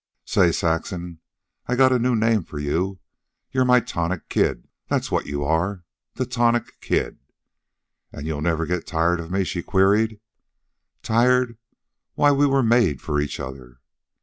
"Say, Saxon, I got a new name for you. You're my Tonic Kid. That's what you are, the Tonic Kid." "And you'll never get tired of me?" she queried. "Tired? Why we was made for each other."